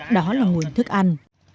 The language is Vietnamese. đó là nguồn thức ăn